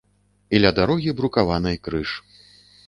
І ля дарогі брукаванай крыж.